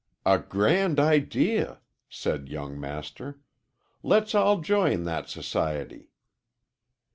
"A grand idea!" said young Master. "Let's all join that society."